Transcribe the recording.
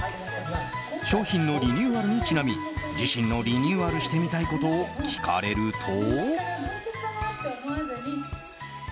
商品のリニューアルにちなみ自身のリニューアルしてみたいことを聞かれると。